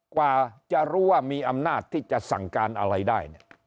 กว่าจะรู้ว่ามีอำนาจที่จะสั่งการอะไรได้เนี่ย